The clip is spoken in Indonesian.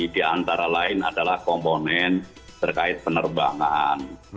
di antara lain adalah komponen terkait penerbangan